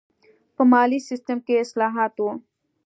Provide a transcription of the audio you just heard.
په مالي سیستم کې اصلاحات و.